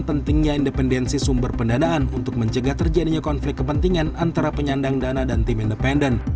pentingnya independensi sumber pendanaan untuk mencegah terjadinya konflik kepentingan antara penyandang dana dan tim independen